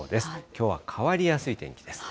きょうは変わりやすい天気です。